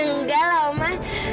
enggak lah oma